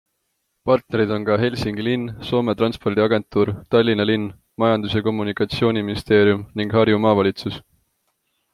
Partnerid on ka Helsingi linn, Soome Transpordiagentuur, Tallinna linn, Majandus- ja Kommunikatsiooniministeerium ning Harju Maavalitsus.